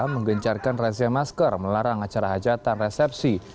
menggencarkan razia masker melarang acara hajatan resepsi